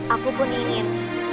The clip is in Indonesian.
aku pun ingin